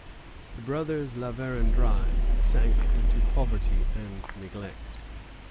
The brothers La Vérendrye sank into poverty and neglect.